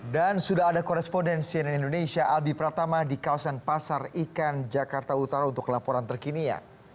dan sudah ada korespondensi di indonesia albi pratama di kawasan pasar ikan jakarta utara untuk laporan terkini ya